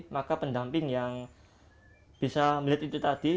maka pendamping yang bisa melihat itu tadi